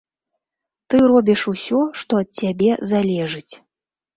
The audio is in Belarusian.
Ты робіш усё, што ад цябе залежыць.